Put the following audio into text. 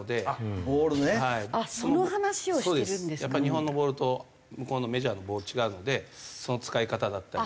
日本のボールと向こうのメジャーのボール違うのでその使い方だったり。